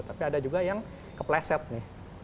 tapi ada juga yang kepleset nih